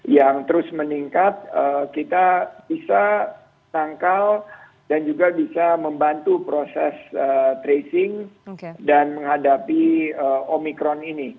yang terus meningkat kita bisa tangkal dan juga bisa membantu proses tracing dan menghadapi omikron ini